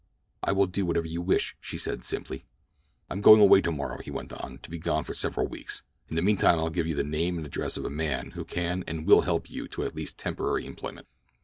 "I will do whatever you wish," she said simply. "I am going away tomorrow," he went on, "to be gone for several weeks. In the mean time I'll give you the name and address of a man who can and will help you to at least temporary employment.